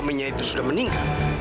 suaminya itu sudah meninggal